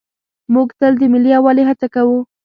موږ تل د ملي یووالي هڅه کوو.